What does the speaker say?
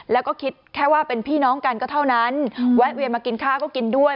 แล้วก็คิดแค่ว่าเป็นพี่น้องกันก็เท่านั้นแวะเวียนมากินข้าวก็กินด้วย